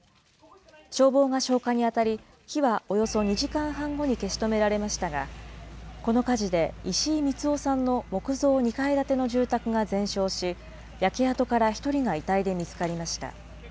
消防が消火に当たり、火はおよそ２時間半後に消し止められましたが、この火事で石井光男さんの木造２階建ての住宅が全焼し、焼け跡から１人が遺体で見つかりました。